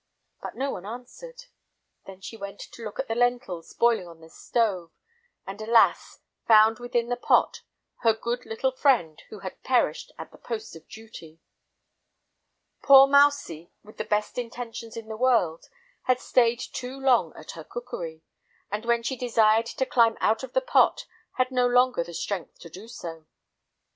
but no one answered. Then she went to look at the lentils boiling on the stove, and, alas! found within the pot her good little friend, who had perished at the post of duty. Poor mousie, with the best intentions in the world, had stayed too long at her cookery, and when she desired to climb out of the pot, had no longer the strength to do so.